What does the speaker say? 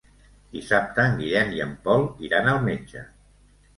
Dissabte en Guillem i en Pol iran al metge.